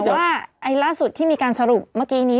ว่าล่าสุดที่มีการสรุปเมื่อกี้นี้